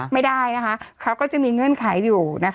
ไม่ได้นะคะเขาก็จะมีเงื่อนไขอยู่นะคะ